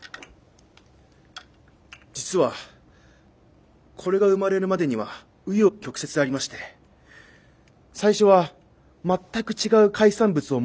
実はこれが生まれるまでには紆余曲折ありまして最初は全く違う海産物をモチーフとして考えていたんです。